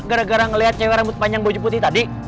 gara gara ngeliat cewek rambut panjang baju putih tadi